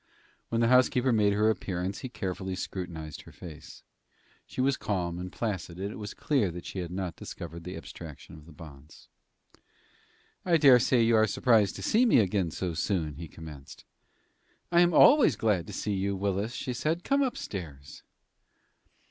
When the housekeeper made her appearance he carefully scrutinized her face. She was calm and placid, and it was clear that she had not discovered the abstraction of the bonds. "I dare say you are surprised to see me so soon again," he commenced. "I am always glad to see you, Willis," she said. "Come upstairs."